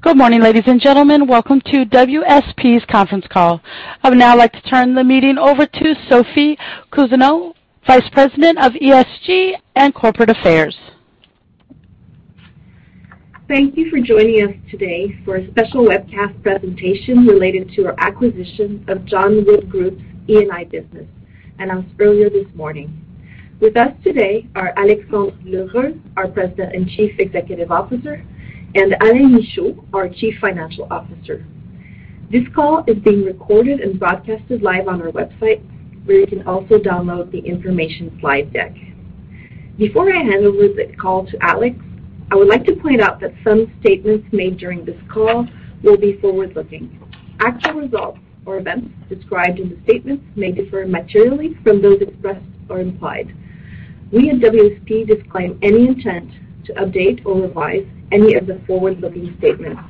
Good morning, ladies and gentlemen. Welcome to WSP's conference call. I would now like to turn the meeting over to Sophie Cousineau, Vice President of ESG and Corporate Affairs. Thank you for joining us today for a special webcast presentation related to our acquisition of John Wood Group's E&I business announced earlier this morning. With us today are Alex L'Heureux, our President and Chief Executive Officer, and Alain Michaud, our Chief Financial Officer. This call is being recorded and broadcasted live on our website, where you can also download the information slide deck. Before I hand this call to Alex, I would like to point out that some statements made during this call will be forward-looking. Actual results or events described in the statements may differ materially from those expressed or implied. We at WSP disclaim any intent to update or revise any of the forward-looking statements.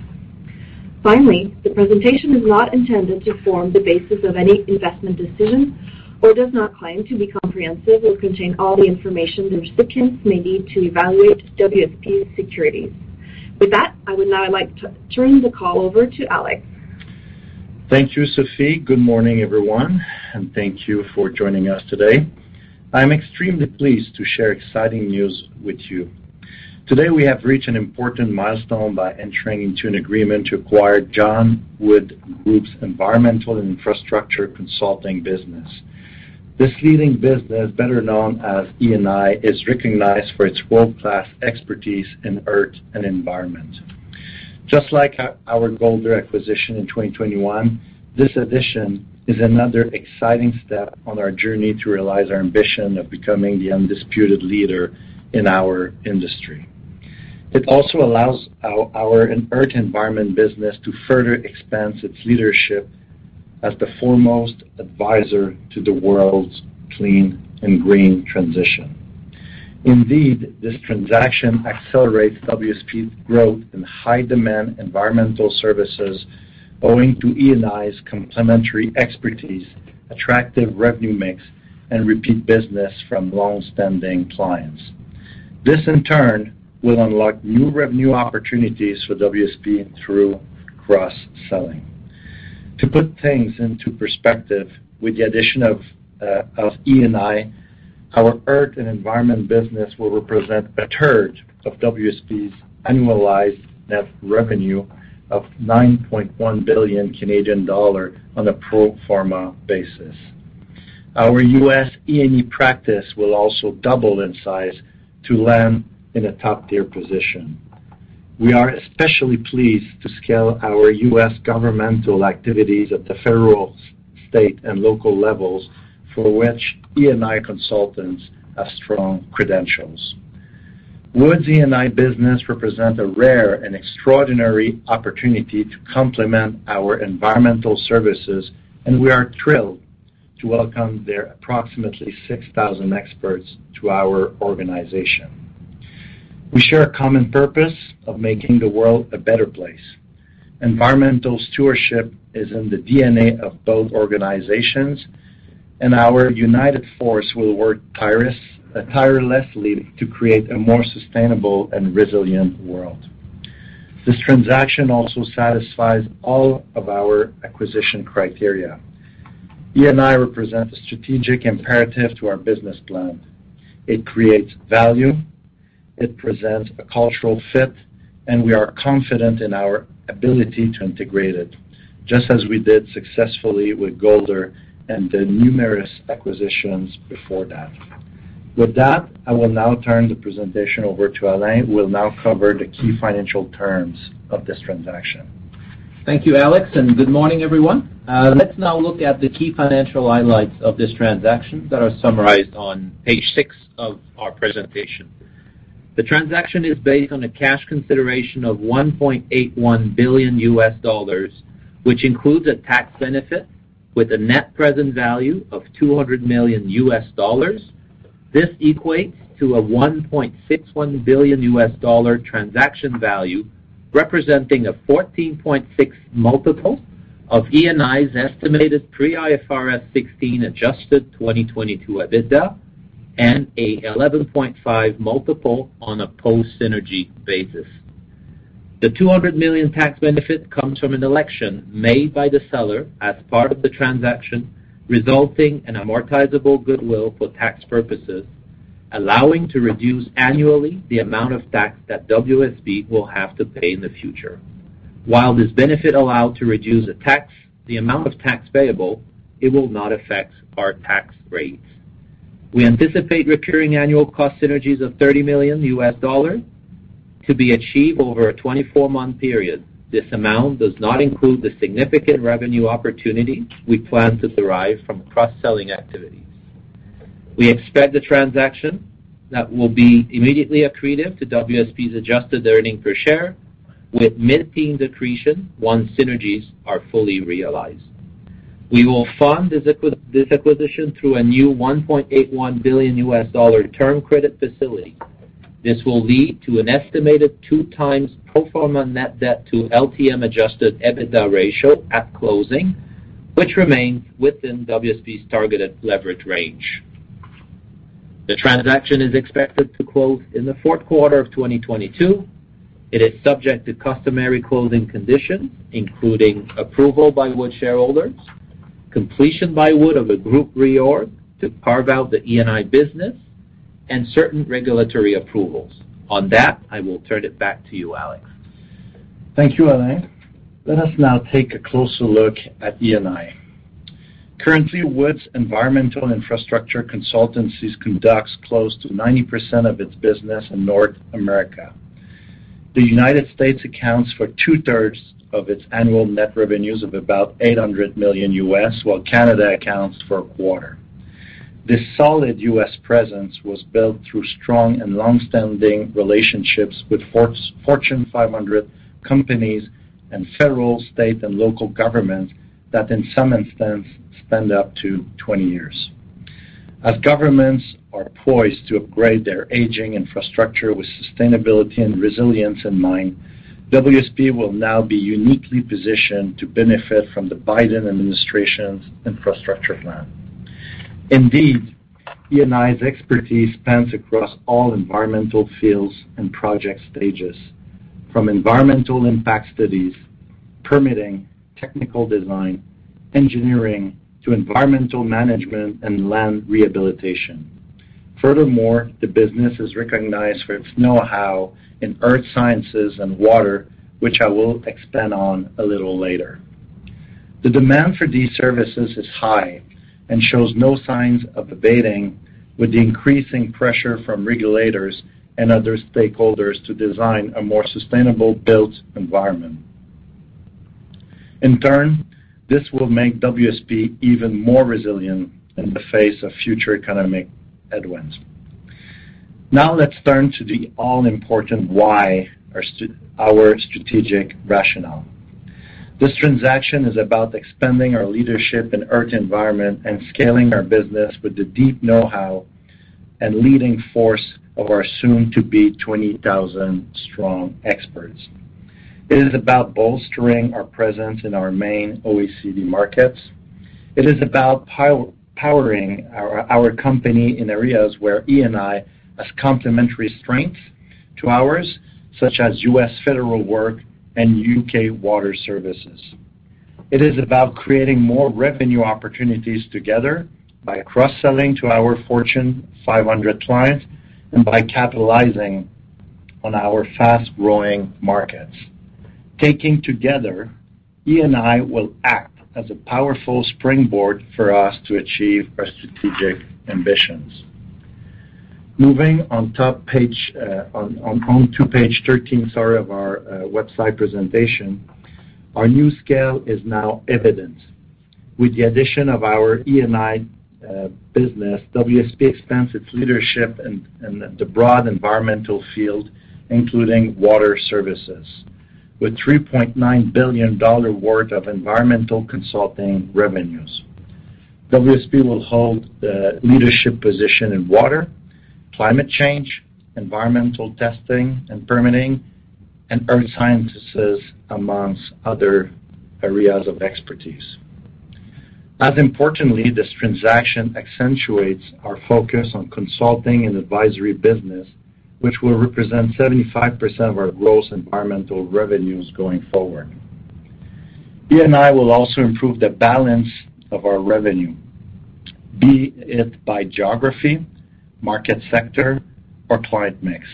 Finally, the presentation is not intended to form the basis of any investment decisions or does not claim to be comprehensive or contain all the information the recipients may need to evaluate WSP's securities. With that, I would now like to turn the call over to Alex. Thank you, Sophie. Good morning, everyone, and thank you for joining us today. I am extremely pleased to share exciting news with you. Today, we have reached an important milestone by entering into an agreement to acquire John Wood Group's Environmental & Infrastructure Consulting business. This leading business, better known as E&I, is recognized for its world-class expertise in Earth & Environment. Just like our Golder acquisition in 2021, this addition is another exciting step on our journey to realize our ambition of becoming the undisputed leader in our industry. It also allows our Earth & Environment business to further expand its leadership as the foremost advisor to the world's clean and green transition. Indeed, this transaction accelerates WSP's growth in high-demand environmental services owing to E&I's complementary expertise, attractive revenue mix, and repeat business from longstanding clients. This, in turn, will unlock new revenue opportunities for WSP through cross-selling. To put things into perspective, with the addition of E&I, our Earth & Environment business will represent a 1/3 of WSP's annualized net revenue of 9.1 billion Canadian dollar on a pro forma basis. Our U.S. E&E practice will also double in size to land in a top-tier position. We are especially pleased to scale our U.S. Governmental activities at the federal, state, and local levels, for which E&I consultants have strong credentials. Wood's E&I business represent a rare and extraordinary opportunity to complement our environmental services, and we are thrilled to welcome their approximately 6,000 experts to our organization. We share a common purpose of making the world a better place. Environmental stewardship is in the DNA of both organizations, and our united force will work tirelessly to create a more sustainable and resilient world. This transaction also satisfies all of our acquisition criteria. E&I represents a strategic imperative to our business plan. It creates value, it presents a cultural fit, and we are confident in our ability to integrate it, just as we did successfully with Golder and the numerous acquisitions before that. With that, I will now turn the presentation over to Alain, who will now cover the key financial terms of this transaction. Thank you, Alex, and good morning, everyone. Let's now look at the key financial highlights of this transaction that are summarized on page six of our presentation. The transaction is based on a cash consideration of $1.81 billion, which includes a tax benefit with a net present value of $200 million. This equates to a $1.61 billion transaction value, representing a 14.6x multiple of E&I's estimated pre-IFRS 16 adjusted 2022 EBITDA and a 11.5x multiple on a post-synergy basis. The $200 million tax benefit comes from an election made by the seller as part of the transaction, resulting in an amortizable goodwill for tax purposes, allowing to reduce annually the amount of tax that WSP will have to pay in the future. While this benefit allow to reduce the tax, the amount of tax payable, it will not affect our tax rates. We anticipate recurring annual cost synergies of $30 million to be achieved over a 24-month period. This amount does not include the significant revenue opportunity we plan to derive from cross-selling activities. We expect the transaction that will be immediately accretive to WSP's adjusted earning per share, with maintaining the accretion once synergies are fully realized. We will fund this acquisition through a new $1.81 billion term credit facility. This will lead to an estimated 2x pro forma net debt to LTM adjusted EBITDA ratio at closing, which remains within WSP's targeted leverage range. The transaction is expected to close in the fourth quarter of 2022. It is subject to customary closing conditions, including approval by Wood shareholders, completion by Wood of a group reorg to carve out the E&I business and certain regulatory approvals. On that, I will turn it back to you, Alex. Thank you, Alain. Let us now take a closer look at E&I. Currently, Wood's environmental infrastructure consultancies conducts close to 90% of its business in North America. The United States accounts for 2/3 of its annual net revenues of about $800 million, while Canada accounts for 1/4. This solid U.S. presence was built through strong and long-standing relationships with Fortune 500 companies and federal, state, and local governments that in some instance span up to 20 years. As governments are poised to upgrade their aging infrastructure with sustainability and resilience in mind, WSP will now be uniquely positioned to benefit from the Biden administration's infrastructure plan. Indeed, E&I's expertise spans across all environmental fields and project stages, from environmental impact studies, permitting, technical design, engineering, to environmental management and land rehabilitation. Furthermore, the business is recognized for its know-how in earth sciences and water, which I will expand on a little later. The demand for these services is high and shows no signs of abating with the increasing pressure from regulators and other stakeholders to design a more sustainable built environment. In turn, this will make WSP even more resilient in the face of future economic headwinds. Now let's turn to the all-important why our strategic rationale. This transaction is about expanding our leadership in Earth & Environment and scaling our business with the deep know-how and leading force of our soon-to-be 20,000-strong experts. It is about bolstering our presence in our main OECD markets. It is about powering our company in areas where E&I has complementary strengths to ours, such as U.S. federal work and U.K. water services. It is about creating more revenue opportunities together by cross-selling to our Fortune 500 clients and by capitalizing on our fast-growing markets. Taken together, E&I will act as a powerful springboard for us to achieve our strategic ambitions. Moving on to page 13, sorry, of our website presentation. Our new scale is now evident. With the addition of our E&I business, WSP expands its leadership in the broad environmental field, including water services. With $3.9 billion worth of environmental consulting revenues. WSP will hold the leadership position in water, climate change, environmental testing and permitting, and earth sciences, among other areas of expertise. As importantly, this transaction accentuates our focus on consulting and advisory business, which will represent 75% of our gross environmental revenues going forward. E&I will also improve the balance of our revenue, be it by geography, market sector, or client mix.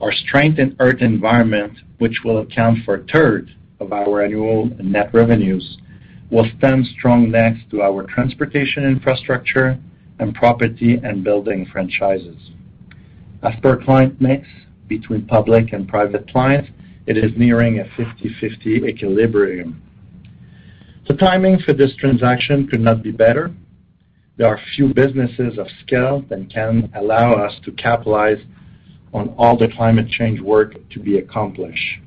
Our strength in Earth & Environment, which will account for a 1/3 of our annual net revenues, will stand strong next to our transportation infrastructure and Property & Buildings franchises. As per client mix between public and private clients, it is nearing a 50/50 equilibrium. The timing for this transaction could not be better. There are few businesses of scale that can allow us to capitalize on all the climate change work to be accomplished.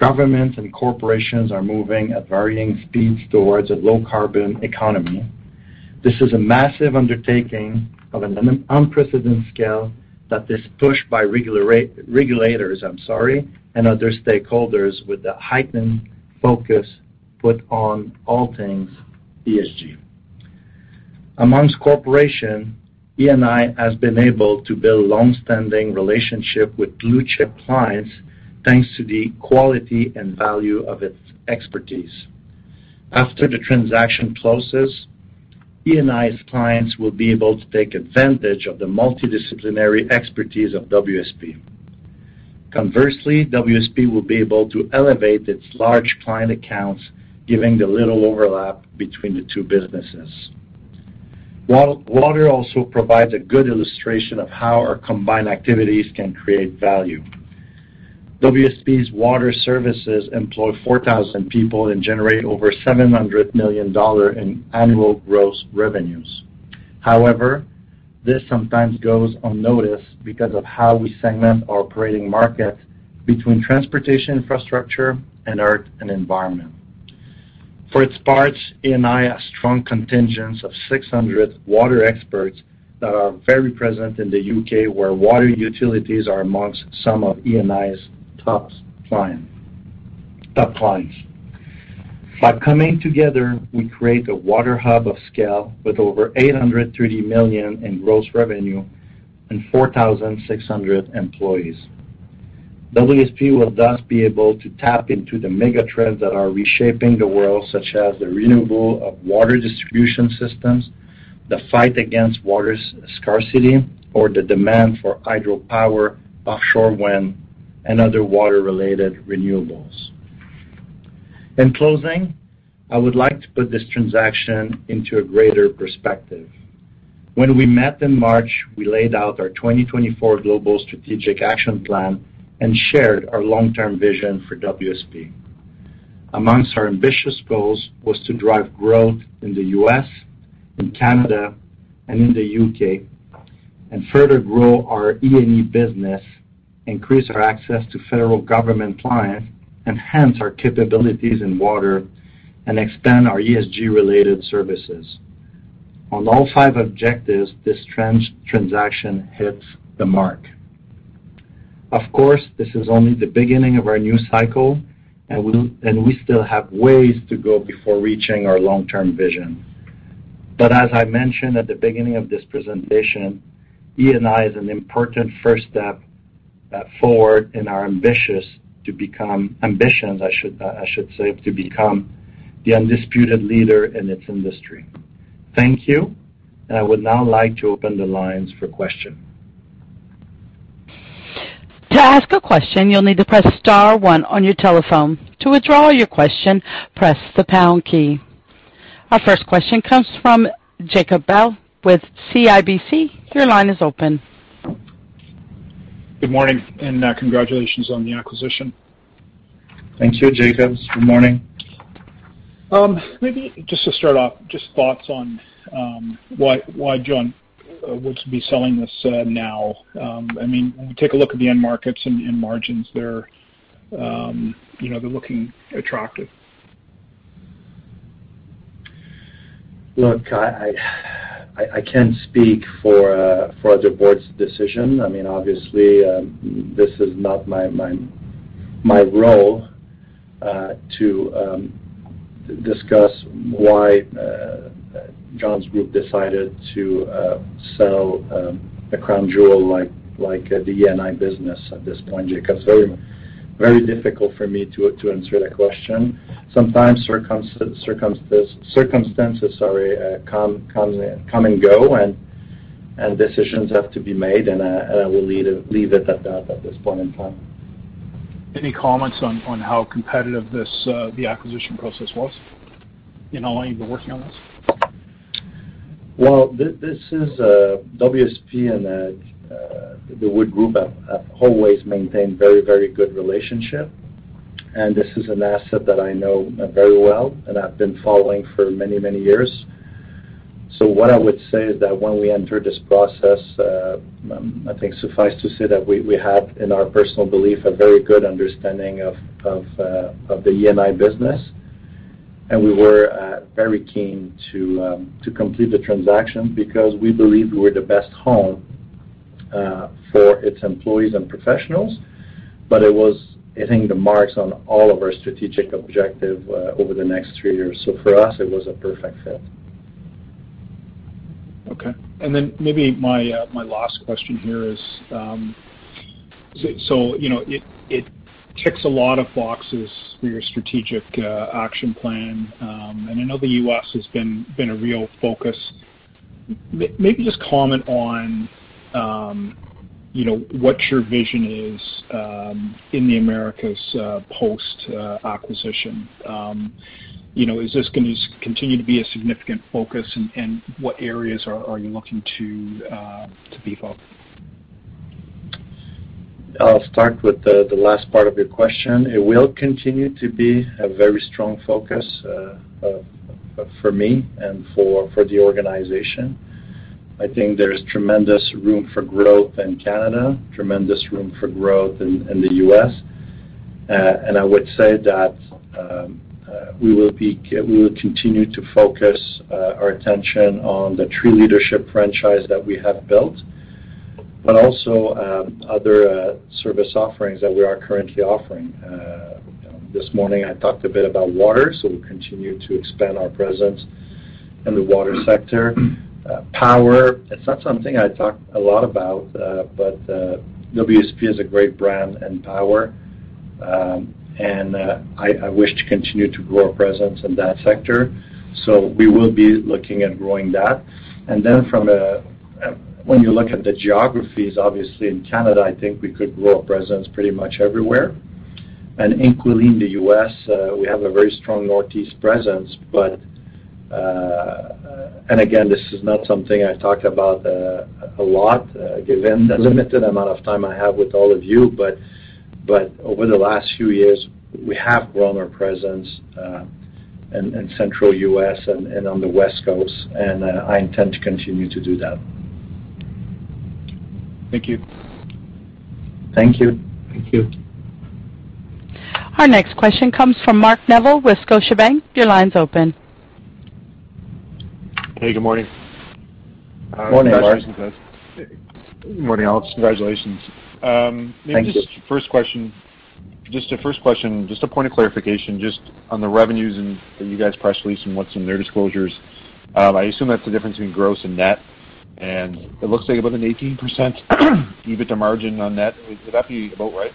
Governments and corporations are moving at varying speeds towards a low carbon economy. This is a massive undertaking of an unprecedented scale that is pushed by regulators. I'm sorry, and other stakeholders with a heightened focus put on all things ESG. Among corporations, E&I has been able to build long-standing relationship with blue-chip clients, thanks to the quality and value of its expertise. After the transaction closes, E&I's clients will be able to take advantage of the multidisciplinary expertise of WSP. Conversely, WSP will be able to elevate its large client accounts, given the little overlap between the two businesses. Water also provides a good illustration of how our combined activities can create value. WSP's water services employ 4,000 people and generate over 700 million dollars in annual gross revenues. However, this sometimes goes unnoticed because of how we segment our operating market between transportation infrastructure and Earth & Environment. For its part, E&I has strong contingent of 600 water experts that are very present in the U.K., where water utilities are among some of E&I's top clients. By coming together, we create a water hub of scale with over 830 million in gross revenue and 4,600 employees. WSP will thus be able to tap into the mega trends that are reshaping the world, such as the renewal of water distribution systems, the fight against water scarcity or the demand for hydropower, offshore wind and other water-related renewables. In closing, I would like to put this transaction into a greater perspective. When we met in March, we laid out our 2024 global strategic action plan and shared our long-term vision for WSP. Among our ambitious goals was to drive growth in the U.S., in Canada, and in the U.K., and further grow our E&E business, increase our access to federal government clients, enhance our capabilities in water, and expand our ESG related services. On all five objectives, this transaction hits the mark. Of course, this is only the beginning of our new cycle, and we still have ways to go before reaching our long-term vision. As I mentioned at the beginning of this presentation, E&I is an important first step forward in our ambitions, I should say, to become the undisputed leader in this industry. Thank you. I would now like to open the lines for question. To ask a question, you'll need to press star one on your telephone. To withdraw your question, press the pound key. Our first question comes from Jacob Bout with CIBC. Your line is open. Good morning, congratulations on the acquisition. Thank you, Jacob. Good morning. Maybe just to start off, just thoughts on why John would be selling this now. I mean, when we take a look at the end markets and margins there, you know, they're looking attractive. Look, I can't speak for the board's decision. I mean, obviously, this is not my role to discuss why John Wood Group decided to sell a crown jewel like the E&I business at this point, Jacob. It's very difficult for me to answer that question. Sometimes circumstances, sorry, come and go, and decisions have to be made, and I will leave it at that at this point in time. Any comments on how competitive the acquisition process was and how long you've been working on this? Well, WSP and the Wood Group have always maintained a very good relationship. This is an asset that I know very well, and I've been following for many years. What I would say is that when we entered this process, I think suffice it to say that we have, in our personal belief, a very good understanding of the E&I business. We were very keen to complete the transaction because we believed we were the best home for its employees and professionals. It was hitting the marks on all of our strategic objectives over the next three years. For us, it was a perfect fit. Okay. Then maybe my last question here is, so, you know, it ticks a lot of boxes for your strategic action plan. I know the U.S. has been a real focus. Maybe just comment on, you know, what your vision is, in the Americas, post acquisition. You know, is this gonna continue to be a significant focus? And what areas are you looking to beef up? I'll start with the last part of your question. It will continue to be a very strong focus for me and for the organization. I think there is tremendous room for growth in Canada, tremendous room for growth in the U.S. I would say that we will continue to focus our attention on the true leadership franchise that we have built, but also other service offerings that we are currently offering. This morning I talked a bit about water, so we continue to expand our presence in the water sector. Power, it's not something I talked a lot about, but WSP is a great brand in power. I wish to continue to grow a presence in that sector. We will be looking at growing that. When you look at the geographies, obviously in Canada, I think we could grow a presence pretty much everywhere. Including the U.S., we have a very strong Northeast presence. Again, this is not something I talk about a lot, given the limited amount of time I have with all of you. Over the last few years, we have grown our presence in central U.S. and on the West Coast, and I intend to continue to do that. Thank you. Thank you. Thank you. Our next question comes from Mark Neville with Scotiabank. Your line's open. Hey, good morning. Morning, Mark. Congratulations, guys. Morning, Alex. Congratulations. Thank you. Maybe just a first question, just a point of clarification, just on the revenues and that you guys' press release and what's in their disclosures. I assume that's the difference between gross and net, and it looks like about an 18% EBITDA margin on net. Would that be about right?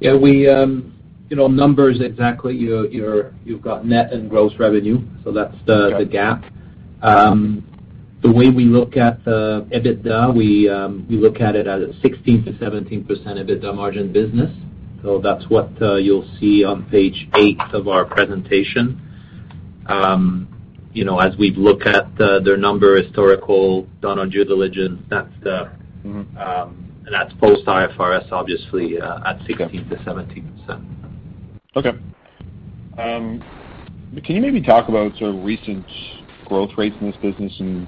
Yeah. We know the numbers exactly. You've got net and gross revenue, so that's the GAAP. The way we look at the EBITDA, we look at it as a 16%-17% EBITDA margin business. That's what you'll see on page eight of our presentation. You know, as we look at their historical numbers done on due diligence, that's the Mm-hmm. That's post IFRS, obviously, at 16%-17%. Okay. Can you maybe talk about sort of recent growth rates in this business and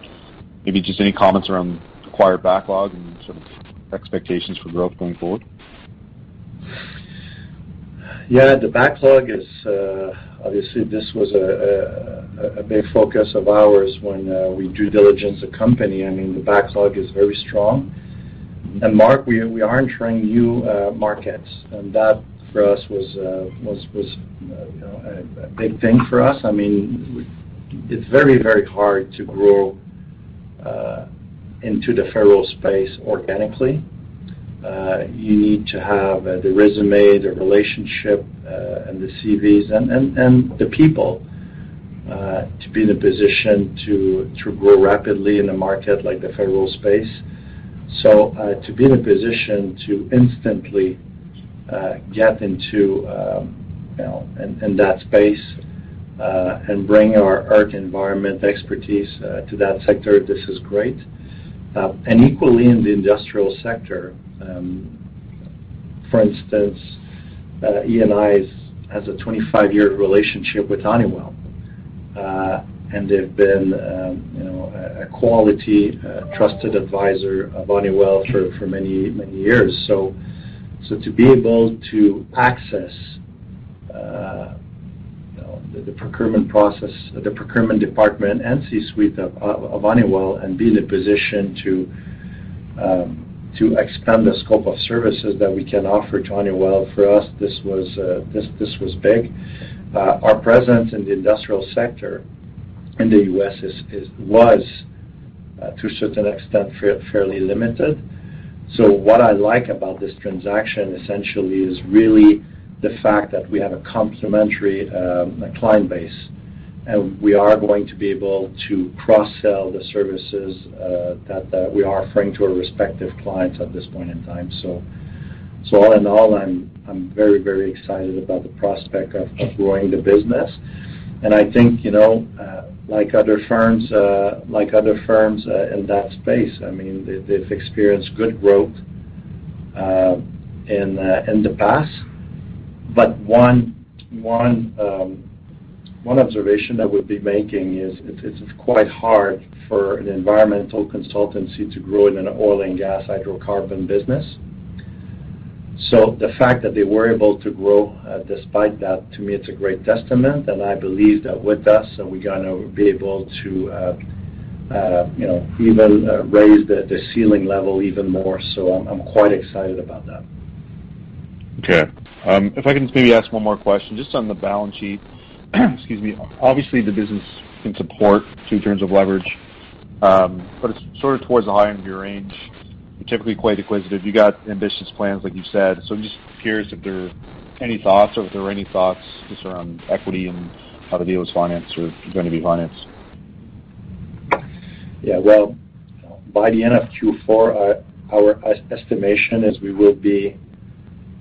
maybe just any comments around acquired backlog and sort of expectations for growth going forward? The backlog is obviously. This was a big focus of ours when we due diligence a company. I mean, the backlog is very strong. Mark, we aren't entering new markets, and that for us was, you know, a big thing for us. I mean, it's very, very hard to grow into the federal space organically. You need to have the resume, the relationship, and the CVs and the people to be in a position to grow rapidly in a market like the federal space. To be in a position to instantly get into, you know, in that space and bring our Earth & Environment expertise to that sector, this is great. Equally in the industrial sector, for instance, E&I has a 25-year relationship with Honeywell. They've been, you know, a quality trusted advisor of Honeywell for many years. To be able to access, you know, the procurement process, the procurement department and C-suite of Honeywell and be in a position to expand the scope of services that we can offer to Honeywell, for us, this was big. Our presence in the industrial sector in the U.S. was, to a certain extent, fairly limited. What I like about this transaction essentially is really the fact that we have a complementary client base, and we are going to be able to cross-sell the services that we are offering to our respective clients at this point in time. All in all, I'm very excited about the prospect of growing the business. I think, you know, like other firms in that space, I mean, they've experienced good growth in the past. One observation I would be making is it's quite hard for an environmental consultancy to grow in an oil and gas hydrocarbon business. The fact that they were able to grow, despite that, to me, it's a great testament, and I believe that with us, so we're gonna be able to, you know, even raise the ceiling level even more. I'm quite excited about that. Okay. If I can maybe ask one more question, just on the balance sheet. Excuse me. Obviously, the business can support two turns of leverage, but it's sort of towards the high end of your range. You're typically quite acquisitive. You got ambitious plans, like you said. I'm just curious if there are any thoughts just around equity and how the deal is financed or going to be financed. Yeah. Well, by the end of Q4, our estimation is we will be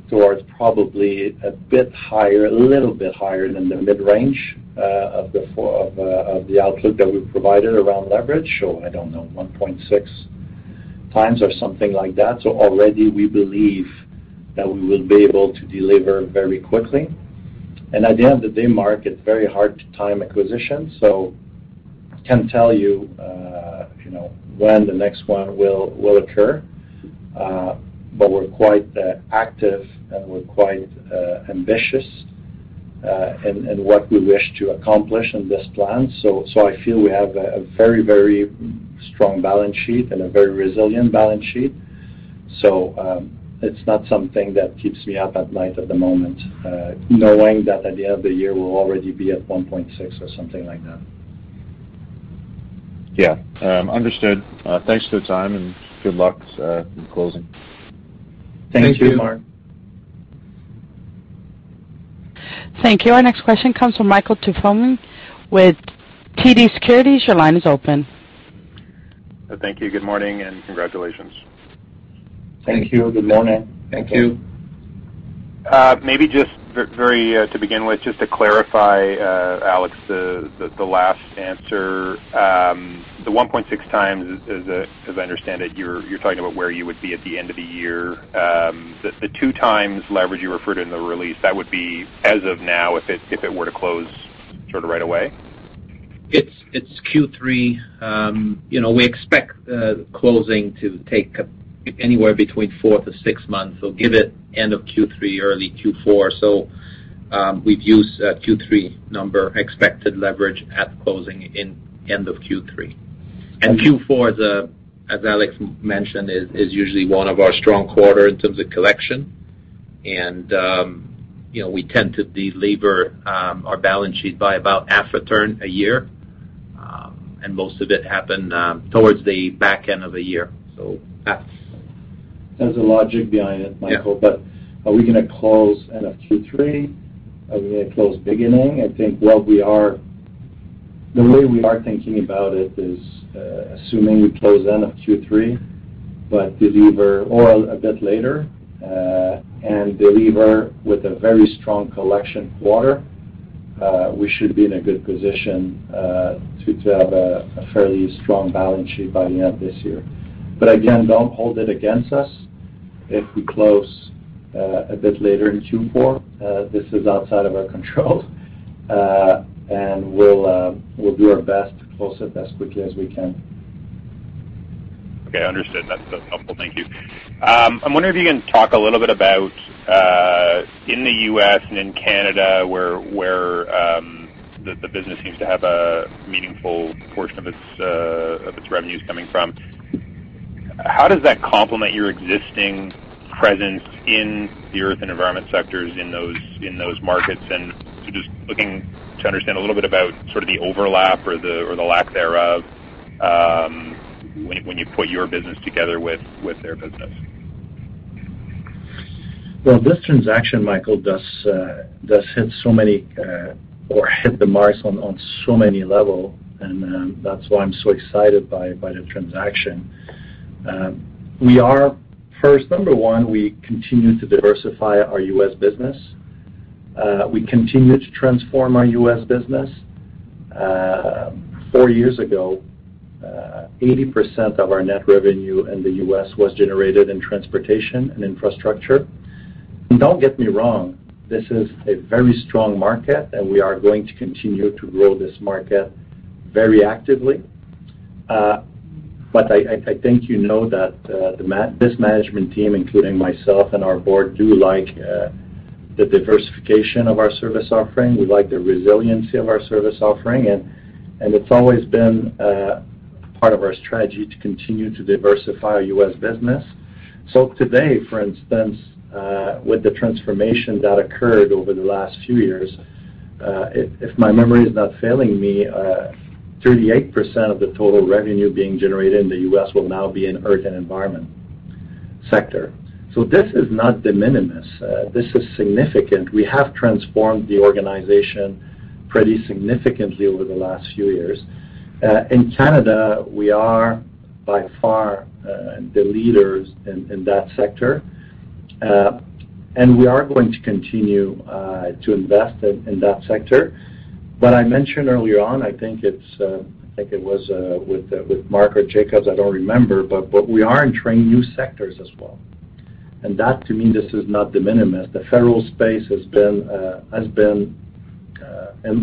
towards probably a bit higher, a little bit higher than the mid-range of the outlook that we've provided around leverage. I don't know, 1.6x or something like that. Already we believe that we will be able to deliver very quickly. At the end of the day, Mark, it's very hard to time acquisition. Can't tell you know, when the next one will occur. We're quite active, and we're quite ambitious in what we wish to accomplish in this plan. I feel we have a very, very strong balance sheet and a very resilient balance sheet. It's not something that keeps me up at night at the moment, knowing that at the end of the year we'll already be at 1.6x or something like that. Yeah. Understood. Thanks for the time, and good luck in closing. Thank you, Mark. Thank you. Our next question comes from Michael Tupholme with TD Securities. Your line is open. Thank you. Good morning, and congratulations. Thank you. Good morning. Thank you. Maybe just very to begin with, just to clarify, Alex, the last answer. The 1.6x is, as I understand it, you're talking about where you would be at the end of the year. The 2x leverage you referred to in the release, that would be as of now if it were to close sort of right away? It's Q3. You know, we expect closing to take anywhere between four to six months. Give or take end of Q3, early Q4. We'd use a Q3 number expected leverage at closing end of Q3. Q4, as Alex mentioned, is usually one of our strong quarter in terms of collection. You know, we tend to delever our balance sheet by about half a turn a year. Most of it happen towards the back end of the year. There's a logic behind it, Michael. Yeah. Are we gonna close end of Q3? Are we gonna close beginning? I think the way we are thinking about it is, assuming we close end of Q3, but deliverables a bit later, and deliver with a very strong collections quarter, we should be in a good position to have a fairly strong balance sheet by the end of this year. Again, don't hold it against us if we close a bit later in Q4. This is outside of our control. We'll do our best to close it as quickly as we can. Okay, understood. That's helpful. Thank you. I'm wondering if you can talk a little bit about in the U.S. and in Canada where the business seems to have a meaningful portion of its revenues coming from, how does that complement your existing presence in the Earth & Environment sectors in those markets? Just looking to understand a little bit about sort of the overlap or the lack thereof when you put your business together with their business. Well, this transaction, Michael, does hit so many of the marks on so many levels, and that's why I'm so excited by the transaction. Number one, we continue to diversify our U.S. business. We continue to transform our U.S. business. Four years ago, 80% of our net revenue in the U.S. was generated in transportation and infrastructure. Don't get me wrong, this is a very strong market, and we are going to continue to grow this market very actively. I think you know that this management team, including myself and our board, do like the diversification of our service offering. We like the resiliency of our service offering, and it's always been part of our strategy to continue to diversify our U.S. business. Today, for instance, with the transformation that occurred over the last few years, if my memory is not failing me, 38% of the total revenue being generated in the U.S. will now be in Earth & Environment sector. This is not de minimis. This is significant. We have transformed the organization pretty significantly over the last few years. In Canada, we are by far the leaders in that sector. We are going to continue to invest in that sector. I mentioned earlier on, I think it was with Mark or Jacob, I don't remember, but we are entering new sectors as well. That, to me, is not de minimis. The federal space has been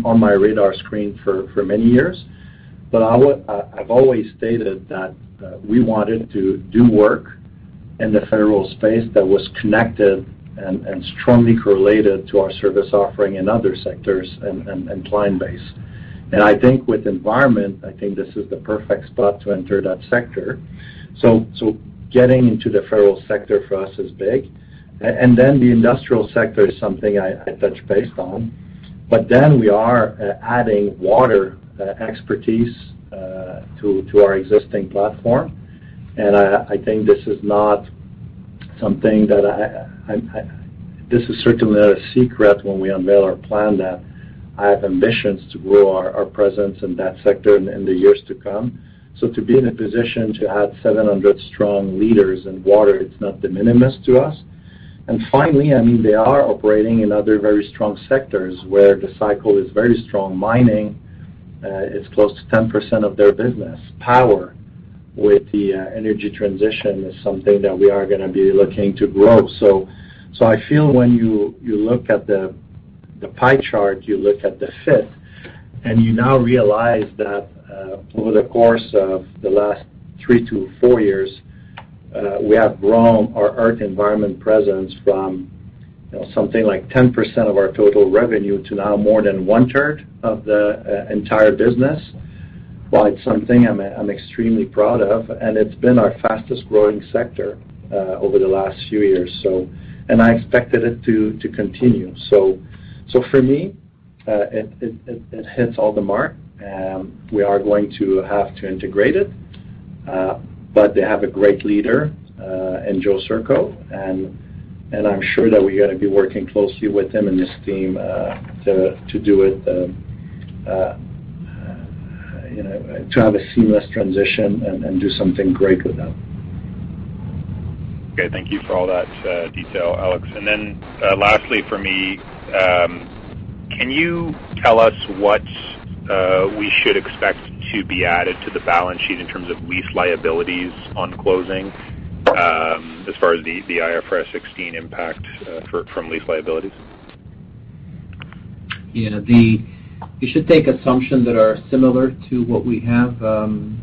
on my radar screen for many years. I've always stated that we wanted to do work in the federal space that was connected and strongly correlated to our service offering in other sectors and client base. I think with environment this is the perfect spot to enter that sector. Getting into the federal sector for us is big. The industrial sector is something I touched base on. We are adding water expertise to our existing platform. I think this is certainly not a secret when we unveil our plan that I have ambitions to grow our presence in that sector in the years to come. To be in a position to add 700 strong leaders in water, it's not de minimis to us. Finally, I mean, they are operating in other very strong sectors where the cycle is very strong. Mining is close to 10% of their business. Power with the energy transition is something that we are gonna be looking to grow. I feel when you look at the pie chart, you look at the fit, and you now realize that over the course of the last three to four years we have grown our Earth & Environment presence from, you know, something like 10% of our total revenue to now more than 1/3 of the entire business. Well, it's something I'm extremely proud of, and it's been our fastest-growing sector over the last few years. I expected it to continue. For me, it hits all the mark. We are going to have to integrate it, but they have a great leader in Joe Sczurko. I'm sure that we're gonna be working closely with him and his team, you know, to have a seamless transition and do something great with them. Okay. Thank you for all that, detail, Alex. Lastly for me, can you tell us what we should expect to be added to the balance sheet in terms of lease liabilities on closing, as far as the IFRS 16 impact, from lease liabilities? Yeah. You should take assumptions that are similar to what we have. On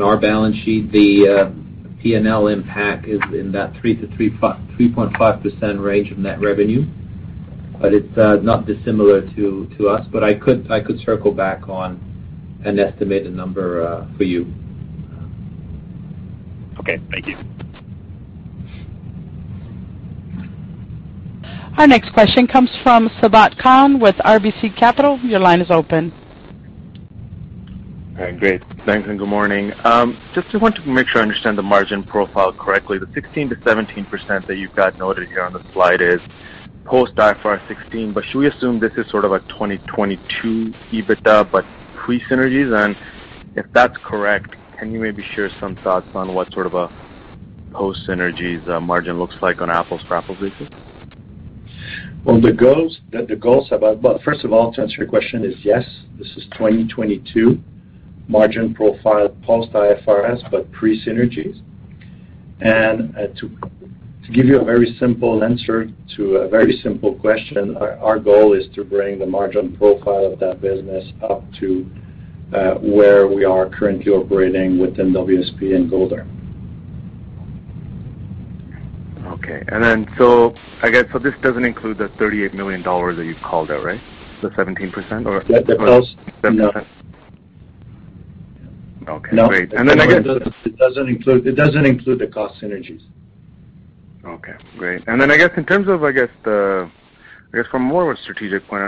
our balance sheet, the P&L impact is in that 3%-3.5% range of net revenue. It's not dissimilar to us. I could circle back on an estimated number for you. Okay, thank you. Our next question comes from Sabahat Khan with RBC Capital. Your line is open. All right, great. Thanks, and good morning. Just want to make sure I understand the margin profile correctly. The 16%-17% that you've got noted here on the slide is post IFRS 16. Should we assume this is sort of a 2022 EBITDA but pre-synergies? If that's correct, can you maybe share some thoughts on what sort of a post synergies margin looks like on apples-to-apples basis? Well, the goals. Well, first of all, to answer your question is, yes, this is 2022 margin profile post IFRS but pre-synergies. To give you a very simple answer to a very simple question, our goal is to bring the margin profile of that business up to where we are currently operating within WSP and Golder. Okay. I guess this doesn't include the 38 million dollars that you called out, right? The 17% or- That does- 17%. No. Okay, great. I guess. It doesn't include the cost synergies. Okay, great. I guess in terms of more of a strategic point.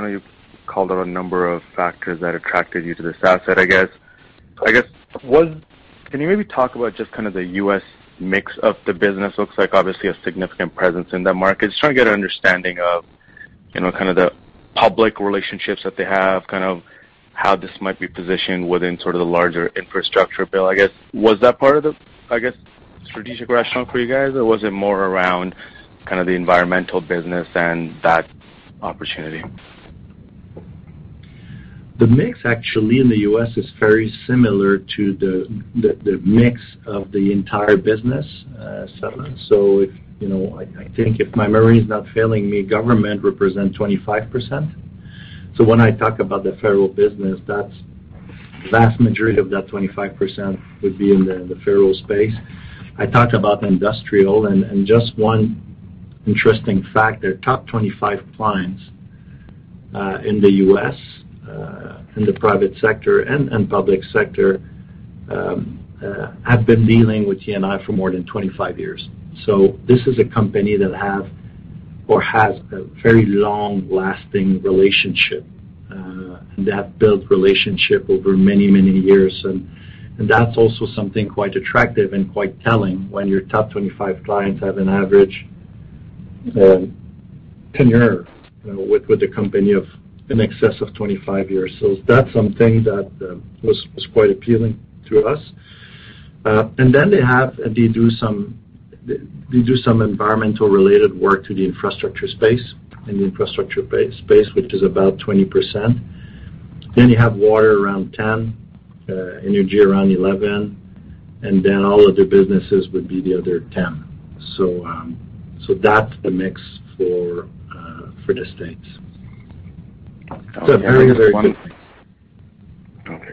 Can you maybe talk about just kind of the U.S. mix of the business? Looks like obviously a significant presence in that market. Just trying to get an understanding of, you know, kind of the public relations that they have, kind of how this might be positioned within sort of the larger infrastructure bill. Was that part of the strategic rationale for you guys, or was it more around kind of the environmental business and that opportunity? The mix actually in the U.S. is very similar to the mix of the entire business segment. You know, I think if my memory is not failing me, government represent 25%. When I talk about the federal business, that's vast majority of that 25% would be in the federal space. I talked about industrial and just one interesting fact, their top 25 clients in the U.S. in the private sector and public sector have been dealing with E&I for more than 25 years. This is a company that have or has a very long-lasting relationship and have built relationship over many, many years. That's also something quite attractive and quite telling when your top 25 clients have an average tenure with the company of in excess of 25 years. That's something that was quite appealing to us. And then they do some environmental related work in the infrastructure space, which is about 20%. You have water around 10%, energy around 11%, and then all other businesses would be the other 10%. That's the mix for the States. Okay,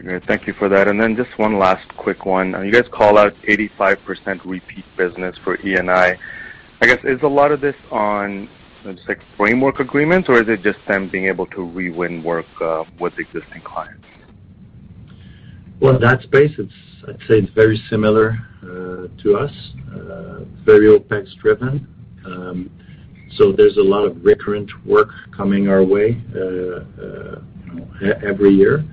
great. Thank you for that. Just one last quick one. You guys call out 85% repeat business for E&I. I guess. Is a lot of this on, like, framework agreements, or is it just them being able to re-win work with existing clients? Well, that space, it's, I'd say it's very similar to us. Very OpEx driven. There's a lot of recurrent work coming our way every year.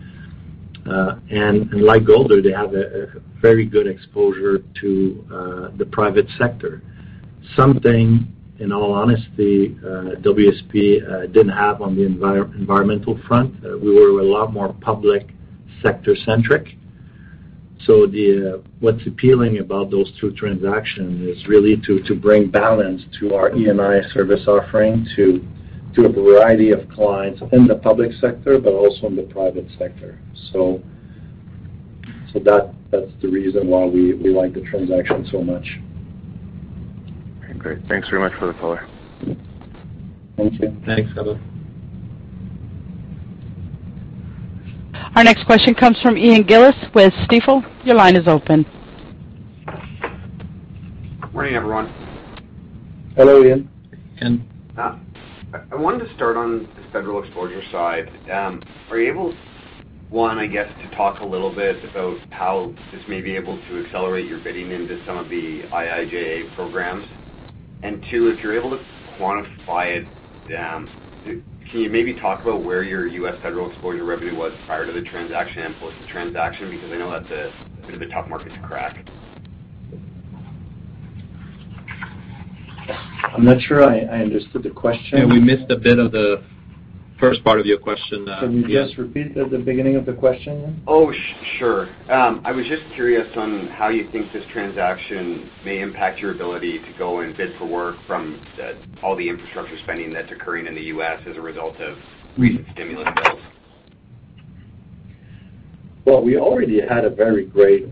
Like Golder, they have a very good exposure to the private sector. Something, in all honesty, WSP didn't have on the environmental front. We were a lot more public sector centric. What's appealing about those two transactions is really to bring balance to our E&I service offering to a variety of clients in the public sector but also in the private sector. That's the reason why we like the transaction so much. Okay, great. Thanks very much for the color. Thank you. Thanks, Sabahat. Our next question comes from Ian Gillies with Stifel. Your line is open. Morning, everyone. Hello, Ian. Ian. I wanted to start on this federal exposure side. Are you able, one, I guess, to talk a little bit about how this may be able to accelerate your bidding into some of the IIJA programs? Two, if you're able to quantify it, can you maybe talk about where your U.S. federal exposure revenue was prior to the transaction and post the transaction? Because I know that's, you know, the tough market to crack. I'm not sure I understood the question. Yeah, we missed a bit of the first part of your question. Can you just repeat the beginning of the question, Ian? Sure. I was just curious on how you think this transaction may impact your ability to go and bid for work from all the infrastructure spending that's occurring in the U.S. as a result of recent stimulus bills. Well, we already had a very great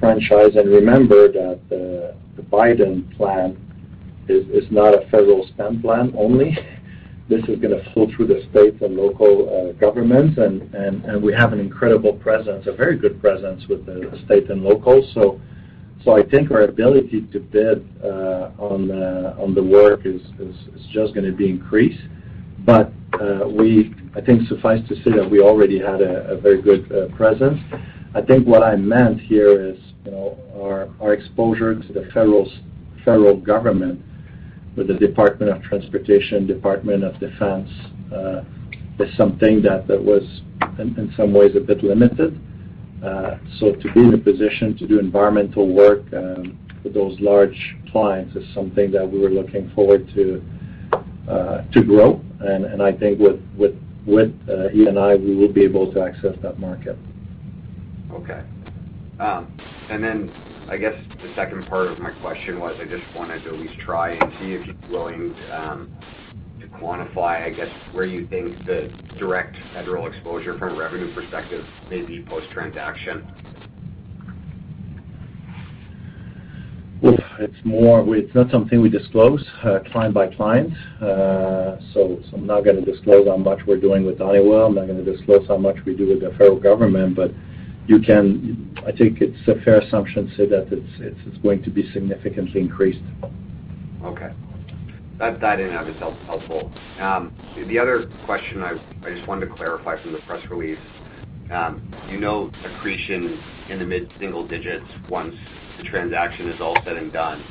franchise. Remember that the Biden plan is not a federal spend plan only. This is gonna flow through the state and local governments. We have an incredible presence, a very good presence with the state and local. I think our ability to bid on the work is just gonna be increased. I think suffice to say that we already had a very good presence. I think what I meant here is, you know, our exposure to the federal government with the Department of Transportation, Department of Defense is something that was in some ways a bit limited. To be in a position to do environmental work with those large clients is something that we were looking forward to grow. I think with E&I, we will be able to access that market. Okay. I guess the second part of my question was, I just wanted to at least try and see if you're willing to quantify, I guess, where you think the direct federal exposure from a revenue perspective may be post-transaction. It's not something we disclose client by client. I'm not gonna disclose how much we're doing with Honeywell. I'm not gonna disclose how much we do with the federal government. You can, I think it's a fair assumption to say that it's going to be significantly increased. Okay. That in and of itself is helpful. The other question I just wanted to clarify from the press release. You note accretion in the mid-single digits once the transaction is all said and done.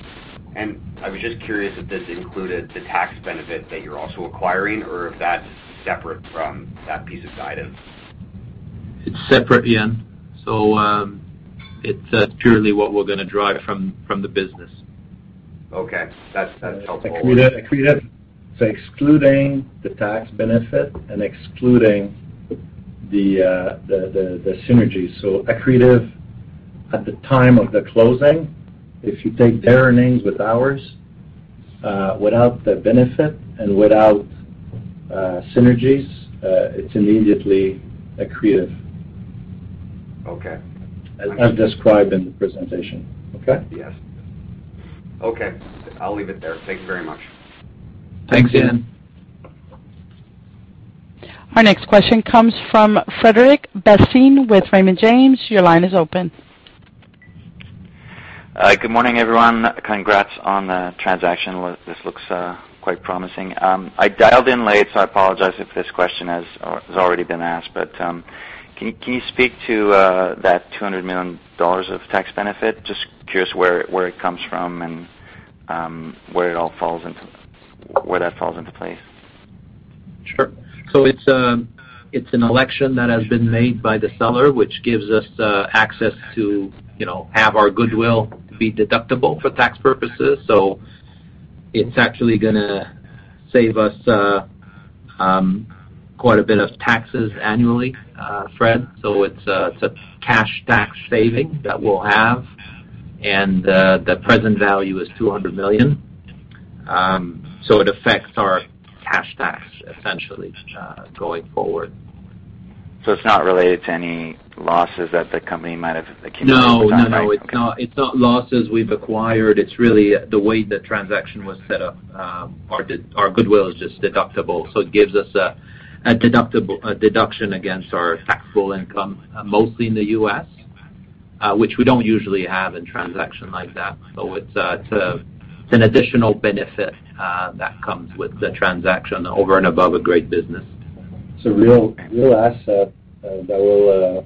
I was just curious if this included the tax benefit that you're also acquiring or if that's separate from that piece of guidance. It's separate, Ian. It's purely what we're gonna drive from the business. Okay. That's helpful. It's accretive. Excluding the tax benefit and excluding the synergy. Accretive at the time of the closing. If you take their earnings with ours, without the benefit and without synergies, it's immediately accretive. Okay. As described in the presentation. Okay? Yes. Okay, I'll leave it there. Thank you very much. Thanks, Ian. Our next question comes from Frederic Bastien with Raymond James. Your line is open. Good morning, everyone. Congrats on the transaction. Well, this looks quite promising. I dialed in late, so I apologize if this question has already been asked. Can you speak to that $200 million of tax benefit? Just curious where it comes from and where that falls into place. Sure. It's an election that has been made by the seller, which gives us the access to, you know, have our goodwill be deductible for tax purposes. It's actually gonna save us quite a bit of taxes annually, Fred. It's a cash tax saving that we'll have, and the present value is 200 million. It affects our cash tax essentially going forward. It's not related to any losses that the company might have accumulated. No, no, it's not. It's not losses we've acquired. It's really the way the transaction was set up. Our goodwill is just deductible, so it gives us a deduction against our taxable income, mostly in the U.S., which we don't usually have in transaction like that. It's an additional benefit that comes with the transaction over and above a great business. It's a real asset that will,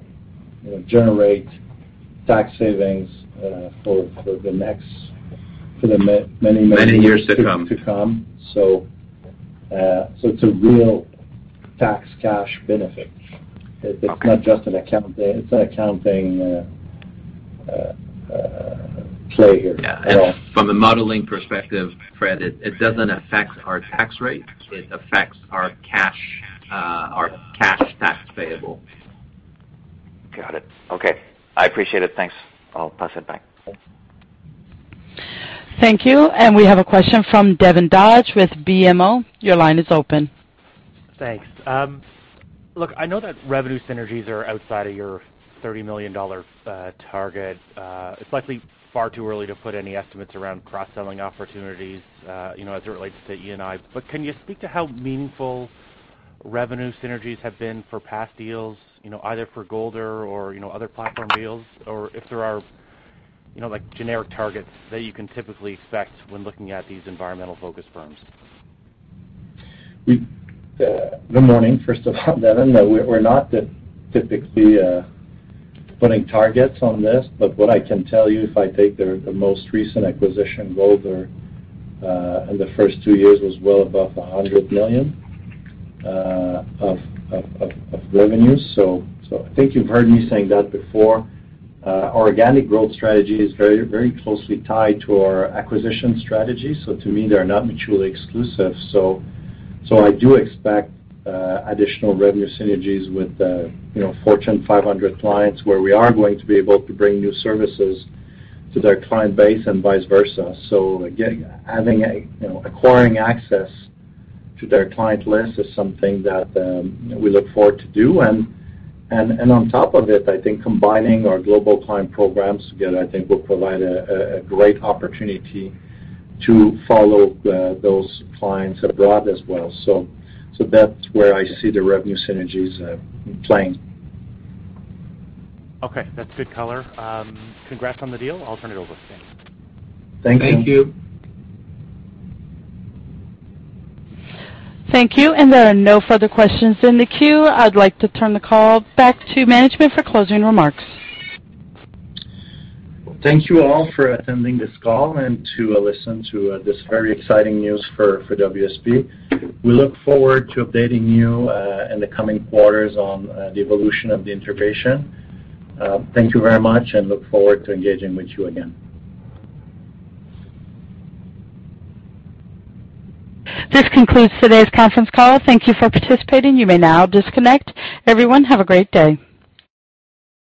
you know, generate tax savings for the many. Many years to come. Years to come. It's a real tax cash benefit. It's an accounting play here. Yeah. From a modeling perspective, Fred, it doesn't affect our tax rate. It affects our cash, our cash tax payable. Got it. Okay, I appreciate it. Thanks. I'll pass it back. Thank you. We have a question from Devin Dodge with BMO. Your line is open. Thanks. Look, I know that revenue synergies are outside of your 30 million dollar target. It's likely far too early to put any estimates around cross-selling opportunities, you know, as it relates to E&I. Can you speak to how meaningful revenue synergies have been for past deals, you know, either for Golder or, you know, other platform deals? If there are, you know, like, generic targets that you can typically expect when looking at these environmental-focused firms. Good morning, first of all, Devin. No, we're not typically putting targets on this. What I can tell you, if I take the most recent acquisition, Golder, in the first two years was well above 100 million of revenues. I think you've heard me saying that before. Our organic growth strategy is very, very closely tied to our acquisition strategy. To me, they're not mutually exclusive. I do expect additional revenue synergies with, you know, Fortune 500 clients where we are going to be able to bring new services to their client base and vice versa. Again, having, you know, acquiring access to their client list is something that we look forward to do. On top of it, I think combining our global client programs together, I think will provide a great opportunity to follow those clients abroad as well. That's where I see the revenue synergies playing. Okay, that's good color. Congrats on the deal. I'll turn it over. Thanks. Thank you. Thank you. Thank you. There are no further questions in the queue. I'd like to turn the call back to management for closing remarks. Thank you all for attending this call and to listen to this very exciting news for WSP. We look forward to updating you in the coming quarters on the evolution of the integration. Thank you very much, and look forward to engaging with you again. This concludes today's conference call. Thank you for participating. You may now disconnect. Everyone, have a great day.